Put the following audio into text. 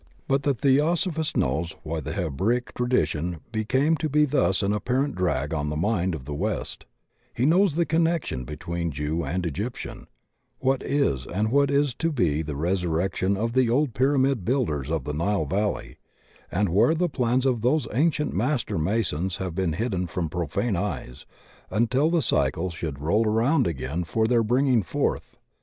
But the Theosophist knows why the Hebraic tra dition came to be thus an apparent drag on the mind of the West; he knows the connection between Jew and Egyptian; what is and is to be the resurrection of the old pyramid builders of the Nile valley, and where the plans of those ancient master masons have been hidden from profane eyes until the cycle should roll roimd again for their bringing forth.